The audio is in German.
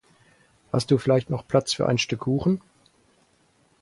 Hast du vielleicht noch Platz für ein Stück Kuchen?